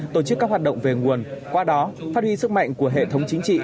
tổ chức các hoạt động về nguồn qua đó phát huy sức mạnh của hệ thống chính trị